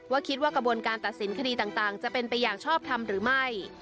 คิดว่ากระบวนการตัดสินคดีต่างจะเป็นไปอย่างชอบทำหรือไม่